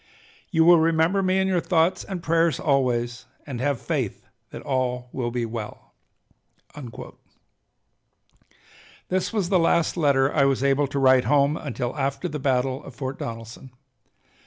You will remember me in your thoughts and prayers always, and have faith that all will be well." This was the last letter I was able to write home until after the battle of Fort Donelson.